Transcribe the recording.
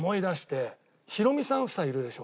ヒロミさん夫妻いるでしょ。